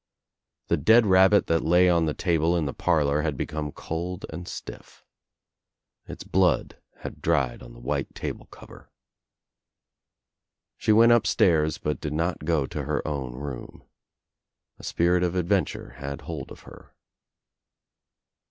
The dead rabbit that lay on the table in the parlour had become cold and stiff. Its blood had dried on the white table cover. She went upstairs but did not go to her own room. A spirit of adventure had hold of her.